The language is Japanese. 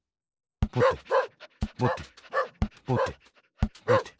ぼてぼてぼてぼて。